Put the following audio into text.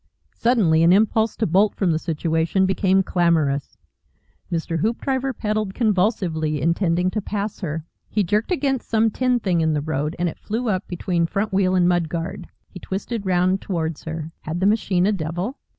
Suddenly an impulse to bolt from the situation became clamorous. Mr. Hoopdriver pedalled convulsively, intending to pass her. He jerked against some tin thing on the road, and it flew up between front wheel and mud guard. He twisted round towards her. Had the machine a devil?